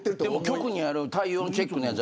局にある体温チェックのやつ